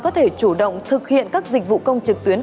có thể chủ động thực hiện các dịch vụ công trực tuyến